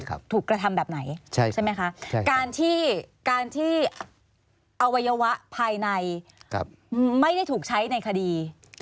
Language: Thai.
การที่อวัยวะภายในไม่ได้ถูกใช้ในคดี